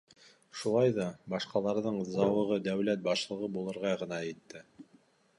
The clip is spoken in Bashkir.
Шулай ҙа башҡаларҙың зауығы дәүләт башлығы булырға ғына етте.